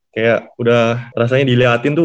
kayak udah rasanya dileatin tuh